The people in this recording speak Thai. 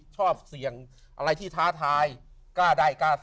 พ่อกับแม่ใช่ค่ะ